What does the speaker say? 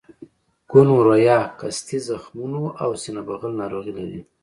ګونورهیا قصدي زخمونو او سینه بغل ناروغۍ لري.